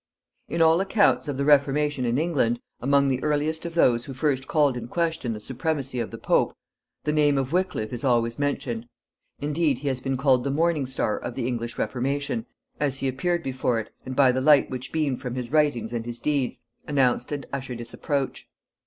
In all accounts of the Reformation in England, among the earliest of those who first called in question the supremacy of the Pope, the name of Wickliffe is always mentioned. Indeed, he has been called the morning star of the English Reformation, as he appeared before it, and, by the light which beamed from his writings and his deeds, announced and ushered its approach.